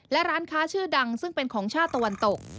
และร้านค้าชื่อดังซึ่งเป็นของชาติตะวันตก